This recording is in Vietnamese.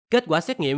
kết quả xét nghiệm